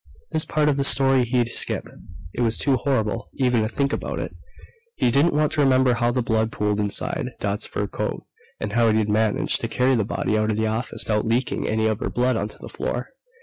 This part of the story he'd skip. It was too horrible, even to think about it. He didn't want to remember how the blood pooled inside Dot's fur coat, and how he'd managed to carry the body out of the office without leaking any of her blood onto the floor.